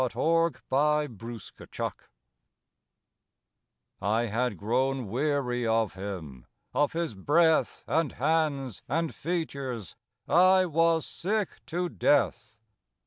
THOU SHALT NOT KILL I had grown weary of him; of his breath And hands and features I was sick to death.